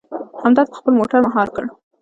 همدرد په خپله موټر مهار کړ.